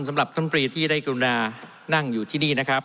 สำหรับท่านปรีที่ได้กรุณานั่งอยู่ที่นี่นะครับ